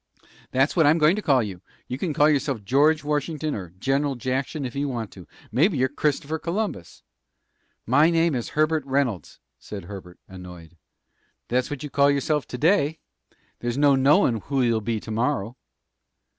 "That's what I'm goin' to call you. You can call yourself George Washington, or General Jackson, ef you want to. Mebbe you're Christopher Columbus." "My name is Herbert Reynolds," said Herbert, annoyed. "That's what you call yourself to day. There's no knowin' who you'll be to morrow."